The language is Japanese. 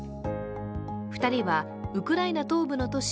２人は、ウクライナ東部の都市